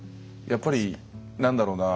やっぱり何だろうな。